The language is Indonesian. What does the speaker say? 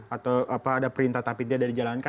atau ada perintah tapi tidak dijalankan